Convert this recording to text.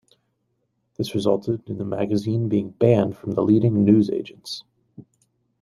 This resulted in the magazine being banned from the leading newsagents.